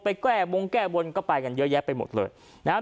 แก้บงแก้บนก็ไปกันเยอะแยะไปหมดเลยนะฮะ